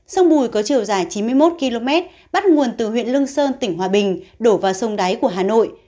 sông bùi có chiều dài chín mươi một km bắt nguồn từ huyện lương sơn tỉnh hòa bình đổ vào sông đáy của hà nội